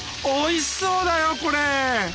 おいしそうだよこれ！